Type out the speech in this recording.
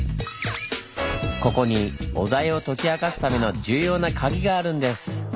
ここにお題を解き明かすための重要なカギがあるんです。